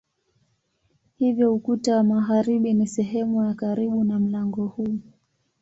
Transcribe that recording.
Hivyo ukuta wa magharibi ni sehemu ya karibu na mlango huu.